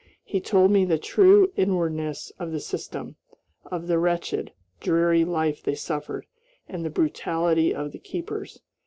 He told me the true inwardness of the system; of the wretched, dreary life they suffered, and the brutality of the keepers.